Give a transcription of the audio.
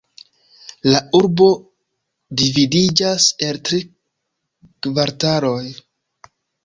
La urbo dividiĝas el tri kvartaloj.